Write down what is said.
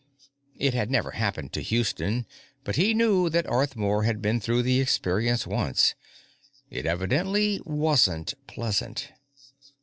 It had never happened to Houston, but he knew that Arthmore had been through the experience once. It evidently wasn't pleasant.